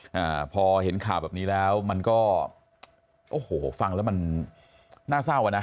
อ่าพอเห็นข่าวแบบนี้แล้วมันก็โอ้โหฟังแล้วมันน่าเศร้าอ่ะนะ